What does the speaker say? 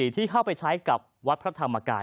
ที่เข้าไปใช้กับวัดพระธรรมกาย